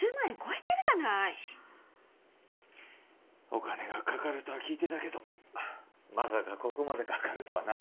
お金がかかるとは聞いてたけどまさかここまでかかるとはな。